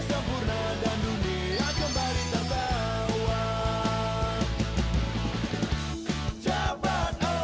sekarang bereskan tempat tempat yang kotor